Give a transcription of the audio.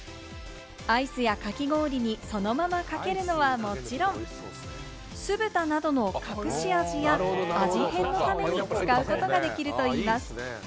アイスや、かき氷にそのままかけるのはもちろん、酢豚などの隠し味や、味変のために使うことができるといいます。